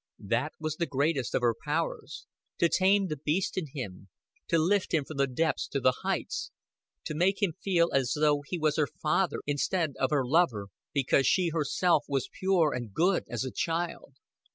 That was the greatest of her powers to tame the beast in him, to lift him from the depths to the heights, to make him feel as though he was her father instead of her lover, because she herself was pure and good as a child.